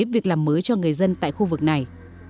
việc làm mới cho người dân tại khu vực này